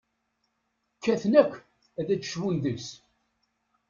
Kkaten akk ad d-cbun deg-s.